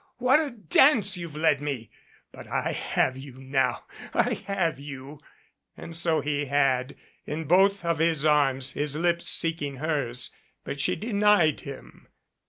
What a dance you've led me! But I have you now I have you " And so he had in both of his arms, his lips seeking hers. But she denied him.